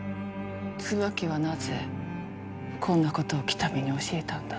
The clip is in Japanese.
椿はなぜこんなことを喜多見に教えたんだ？